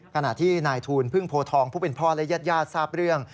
ขณะที่นายทูลพึ่งโพทองผู้เป็นพ่อและญาติญาติทราบเรื่อง